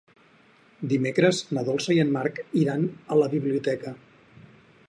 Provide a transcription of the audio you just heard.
Dimecres na Dolça i en Marc iran a la biblioteca.